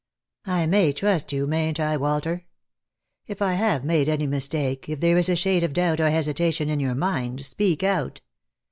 I may trust you, mayn't I, Walter ? If I have made any mistake, if there is a shade of doubt or hesitation in your mind, speak out.